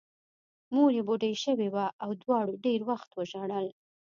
مور یې بوډۍ شوې وه او دواړو ډېر وخت وژړل